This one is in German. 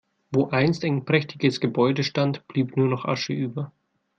Wo einst ein prächtiges Gebäude stand, blieb nur noch Asche über.